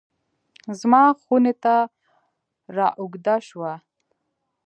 زما خونې ته رااوږده شوه